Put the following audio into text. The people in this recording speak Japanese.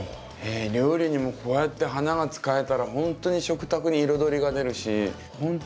料理にもこうやって花が使えたらほんとに食卓に彩りが出るしほんと